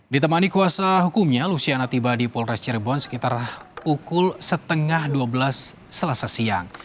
ditemani kuasa hukumnya luciana tiba di polres cirebon sekitar pukul setengah dua belas selasa siang